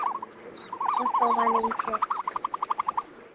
استوانه ای شکل